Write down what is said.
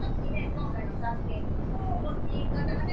今回の作品もう持ち方がね